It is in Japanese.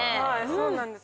そうなんです